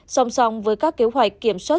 song song với các kế hoạch kiểm soát